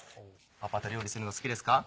パパと料理するの好きですか？